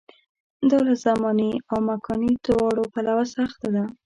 دا له زماني او مکاني دواړو پلوه سخته وه.